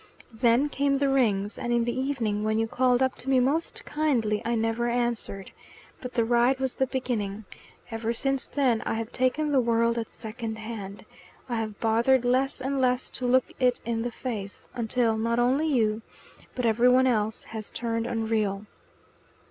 Then came the Rings, and in the evening, when you called up to me most kindly, I never answered. But the ride was the beginning. Ever since then I have taken the world at second hand. I have bothered less and less to look it in the face until not only you, but every one else has turned unreal.